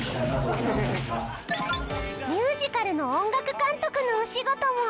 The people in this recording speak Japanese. ミュージカルの音楽監督のお仕事も！